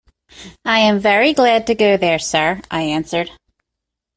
"I am very glad to go there, sir," I answered.